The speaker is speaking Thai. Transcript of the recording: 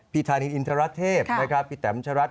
พี่ทานินอินทราชเทพพี่แตมชะรัฐ